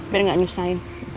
biar gak nyusahin